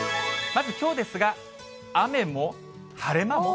まずきょうですが、雨も晴れ間も。